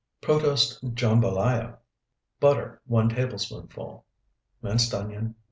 PROTOSE JAMBALAYA Butter, 1 tablespoonful. Minced onion, 1.